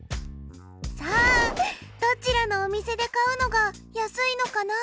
さあどちらのお店で買うのが安いのかな？